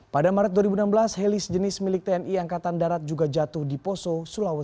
pada maret dua ribu enam belas heli sejenis milik tni angkatan darat juga jatuh di poso sulawesi